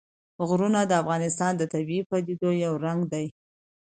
غرونه د افغانستان د طبیعي پدیدو یو رنګ دی.